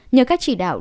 nhờ các chỉ đạo